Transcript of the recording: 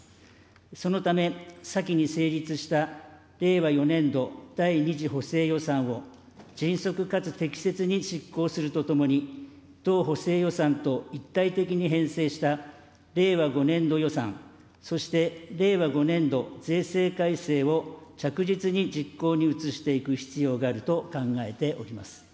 そのため、先に成立した令和４年度第２次補正予算を迅速かつ適切に執行するとともに、同補正予算と一体的に編成した令和５年度予算、そして令和５年度税制改正を着実に実行に移していく必要があると考えております。